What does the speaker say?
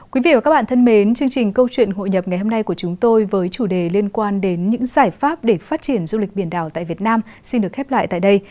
quý vị và các bạn thân mến chương trình câu chuyện hội nhập ngày hôm nay của chúng tôi với chủ đề liên quan đến những giải pháp để phát triển du lịch biển đảo tại việt nam xin được khép lại tại đây